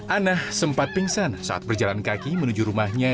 anah sempat pingsan saat berjalan kaki menuju rumahnya